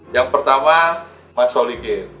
yang pertama mas holiki